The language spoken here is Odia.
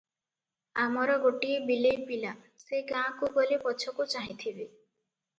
ଆମର ଗୋଟିଏ ବିଲେଇ ପିଲା ସେ ଗାଁକୁ ଗଲେ ପଛକୁ ଚାହିଁଥିବେ ।